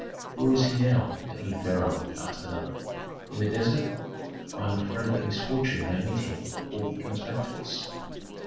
"Where is he now, that new pharaoh?" asked another. "In the desert? I am afraid that misfortune may meet him before he comes back to us."